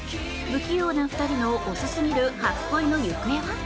不器用な２人の遅すぎる初恋の行方は？